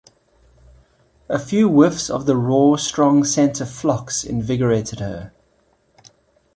A few whiffs of the raw, strong scent of phlox invigorated her.